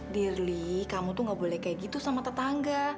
dearly kamu tuh gak boleh kayak gitu sama tetangga